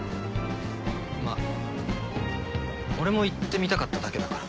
まあ俺も行ってみたかっただけだから。